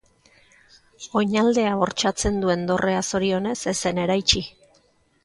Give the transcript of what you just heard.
Oin aldea bortxatzen duen dorrea, zorionez, ez zen eraitsi.